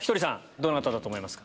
どなただと思いますか？